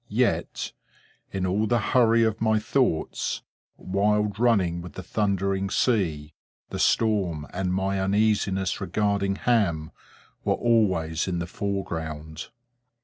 Yet, in all the hurry of my thoughts, wild running with the thundering sea,—the storm and my uneasiness regarding Ham, were always in the foreground.